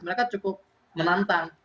mereka cukup menantang